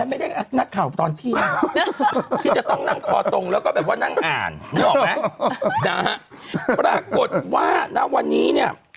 อัตราเป็นของหัวตรงแล้วเรียกว่านั่งอ่านอย่างอีกมั้ยปรากฏว่าห้าเงียบ